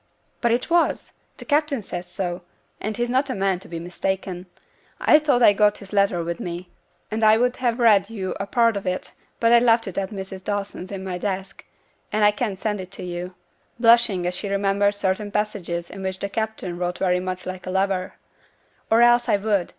'But it was. The captain says so; and he's not a man to be mistaken. I thought I'd got his letter with me; and I would have read you a part of it, but I left it at Mrs. Dawson's in my desk; and I can't send it to you,' blushing as she remembered certain passages in which 'the captain' wrote very much like a lover, 'or else I would.